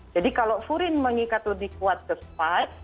jadi kalau furin mengikat lebih kuat ke spike